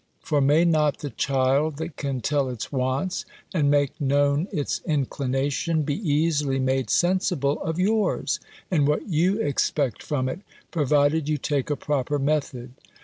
for may not the child, that can tell its wants, and make known its inclination, be easily made sensible of yours, and what you expect from it, provided you take a proper method?